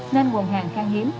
nên nguồn hàng khang hiếm